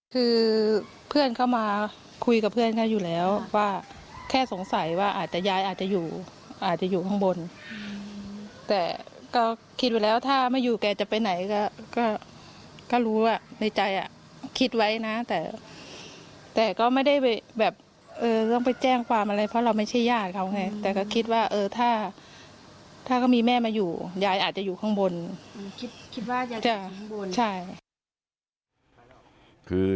คือเพื่อนเขามาคุยกับเพื่อนเขาอยู่แล้วว่าแค่สงสัยว่าอาจจะยายอาจจะอยู่อาจจะอยู่ข้างบนแต่ก็คิดไว้แล้วถ้าไม่อยู่แกจะไปไหนก็รู้ว่าในใจคิดไว้นะแต่ก็ไม่ได้ไปแบบเออต้องไปแจ้งความอะไรเพราะเราไม่ใช่ญาติเขาไงแต่ก็คิดว่าเออถ้าเขามีแม่มาอยู่ยายอาจจะอยู่ข้างบนคิดว่าจะข้างบนใช่